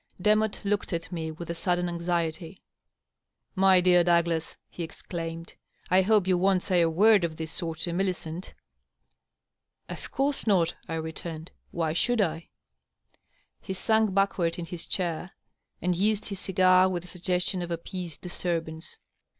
Demotte looked at me with a sudden anxiety. " My dear Douglas/^ he exclaimed, " I hope you won't say a word of this sort to Millioent !"" Of course not," I returned. « Why should I ?" He sank backward in his chair, and used his cigar with a sugges tion of appeased disturbance.